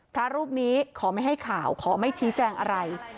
พระรูปนี้ขอไม่ให้ข่าวขอไม่ชี้แจงอะไร